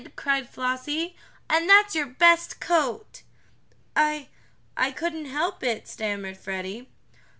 cried Flossie. "And that's your best coat!" "I I couldn't help it," stammered Freddie.